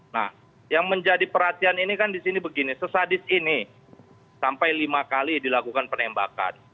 nah yang menjadi perhatian ini kan di sini begini sesadis ini sampai lima kali dilakukan penembakan